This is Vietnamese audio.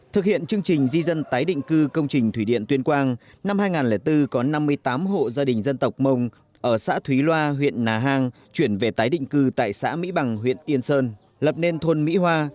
thực hiện chương trình di dân tái định cư công trình thủy điện tuyên quang năm hai nghìn bốn có năm mươi tám hộ gia đình dân tộc mông ở xã thúy loa huyện nà hàng chuyển về tái định cư tại xã mỹ bằng huyện yên sơn lập nên thôn mỹ hoa